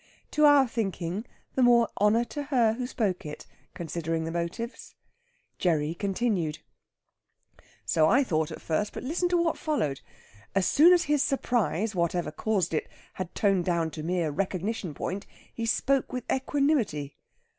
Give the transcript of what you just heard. To our thinking, the more honour to her who spoke it, considering the motives. Gerry continued: "So I thought at first. But listen to what followed. As soon as his surprise, whatever caused it, had toned down to mere recognition point, he spoke with equanimity.